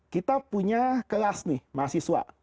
kita punya kelas nih mahasiswa